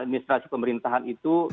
administrasi pemerintahan itu